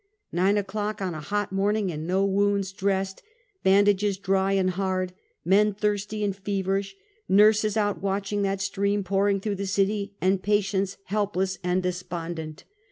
'Nine o'clock, on a hot morning, and no wounds dressed; bandages dry and hard, men thirsty and feverish, nurses out watching that stream pouring through the city, and patients helpless and despondent.